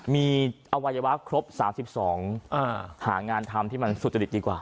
มีอวัยวะครบ๓๒หางานทำที่มันสุจริตดีกว่า